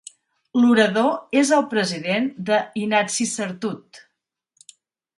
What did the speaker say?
L'orador és el president de Inatsisartut.